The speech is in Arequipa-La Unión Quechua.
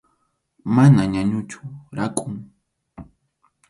Mana ñañuchu, rakhun.